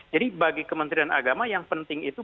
jadi bagi kementerian agama yang penting itu